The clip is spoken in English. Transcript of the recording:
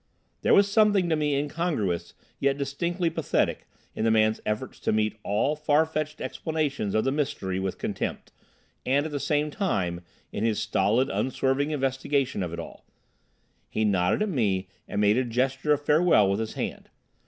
There was something to me incongruous, yet distinctly pathetic, in the man's efforts to meet all far fetched explanations of the mystery with contempt, and at the same time in his stolid, unswerving investigation of it all. He nodded at me and made a gesture of farewell with his hand.